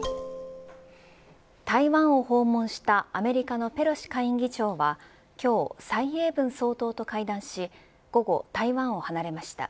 台湾を訪問したアメリカのペロシ下院議長は今日、蔡英文総統と会談し午後、台湾を離れました。